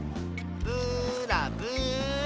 ブーラブーラ！